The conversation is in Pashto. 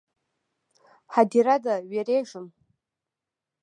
_ هديره ده، وېرېږم.